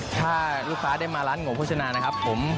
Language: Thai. ถ้าลูกค้าได้มาร้านโง่โภชนานะครับผม